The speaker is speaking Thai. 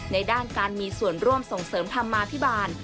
ด้านการมีส่วนร่วมส่งเสริมธรรมาภิบาล